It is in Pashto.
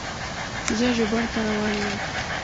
زه ژوبڼ ته روان یم.